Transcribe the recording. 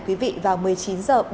quý vị vào một mươi chín h bốn mươi năm